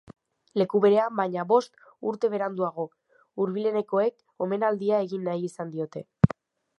Leku berean baina bost urte beranduago, hurbilenekoek omenaldia egin nahi izan diote.